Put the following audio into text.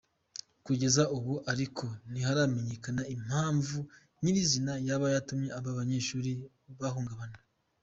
Kugeza ubu ariko ntiharamenyekana impamvu nyirizina yaba yatumye aba banyeshuri bahungabana.